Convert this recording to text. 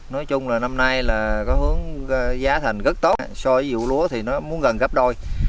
nói chung là năm nay là có hướng giá thành rất tốt so với vụ lúa thì nó muốn gần gấp đôi